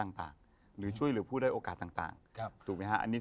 ความวัดต่างหรือช่วยแล้วพูดได้โอกาสต่างเอาไหมครับอันนี้